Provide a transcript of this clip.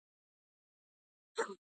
ماشومان باید له وړکتوب څخه پښتو زده کړي.